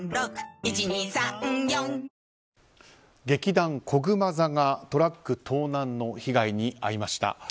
劇団こぐま座がトラック盗難の被害に遭いました。